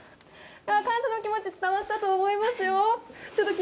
感謝の気持ち、伝わったと思いますよ。